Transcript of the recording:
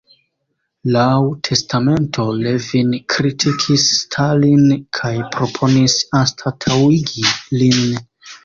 Laŭ testamento, Lenin kritikis Stalin kaj proponis anstataŭigi lin.